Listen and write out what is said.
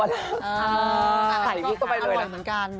อร่อยเหมือนกัน